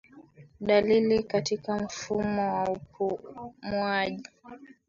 Dalili katika mfumo wa upumuaji